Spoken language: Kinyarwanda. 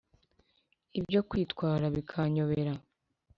ibyo kwitwara bikanyobera.